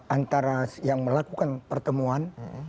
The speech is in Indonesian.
antara yang melakukan pertemuan